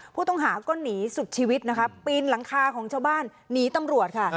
ผู้ต้องหาก็หนีสุดชีวิตนะคะปีนหลังคาของชาวบ้านหนีตำรวจค่ะ